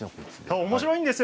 おもしろいんですよ。